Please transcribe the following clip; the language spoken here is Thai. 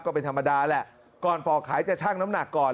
ก็เป็นธรรมดาแหละก่อนปอกขายจะชั่งน้ำหนักก่อน